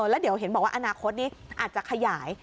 แล้วเดี๋ยวเห็นอาณาคถนี่อาจจะขยาย